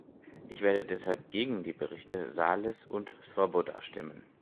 Ich werde deshalb gegen die Berichte Sarlis und Swoboda stimmen.